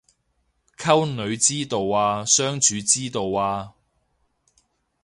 溝女之道啊相處之道啊